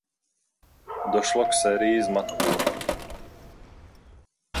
Došlo k sérii zmatků.